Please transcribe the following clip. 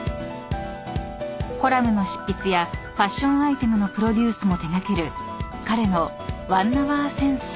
［コラムの執筆やファッションアイテムのプロデュースも手掛ける彼の］